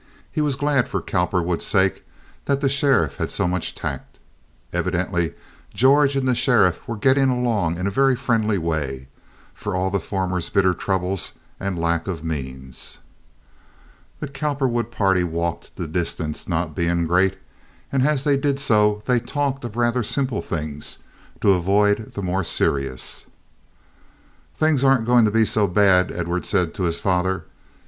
He was glad for Cowperwood's sake that the sheriff had so much tact. Evidently George and the sheriff were getting along in a very friendly way, for all the former's bitter troubles and lack of means. The Cowperwood party walked, the distance not being great, and as they did so they talked of rather simple things to avoid the more serious. "Things aren't going to be so bad," Edward said to his father.